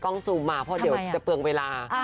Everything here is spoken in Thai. ซูมมาเพราะเดี๋ยวจะเปลืองเวลา